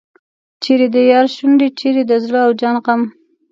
چیرې د یار شونډې چیرې د زړه او جان غم.